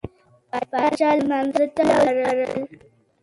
پاچا لمانځه ته ولاړل.